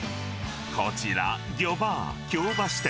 こちら、ギョバー京橋店。